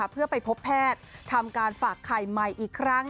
เพื่อไปพบแพทย์ทำการฝากไข่ใหม่อีกครั้ง